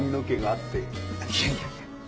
いやいやいや。